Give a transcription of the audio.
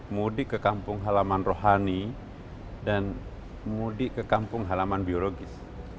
mudik ke kampung halaman rohani dan mudik ke kampung halaman biologis